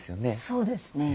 そうですね。